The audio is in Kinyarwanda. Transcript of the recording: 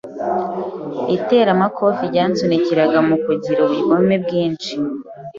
iteramakofi ryansunikiraga mu kugira ubugome bwinshi